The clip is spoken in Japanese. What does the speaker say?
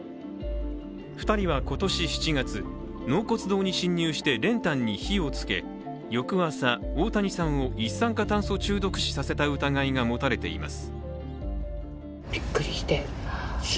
２人は今年７月納骨堂に侵入して練炭に火をつけ、翌朝、大谷さんを一酸化炭素中毒死させた疑いが持たれています。